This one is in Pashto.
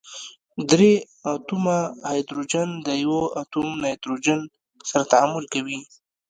درې اتومه هایدروجن د یوه اتوم نایتروجن سره تعامل کوي.